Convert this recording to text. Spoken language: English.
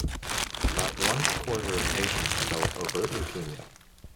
About one quarter of patients develop overt leukemia.